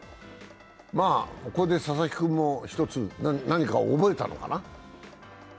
これで佐々木君も一つ何かを覚えたのかな。